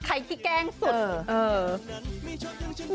ใครที่แกล้งสุด